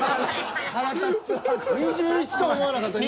２１とは思わなかった。